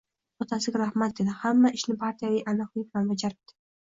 — Otasiga rahmat, — dedi. — Hamma ishni partiyaviy aniklik bilan bajaribdi.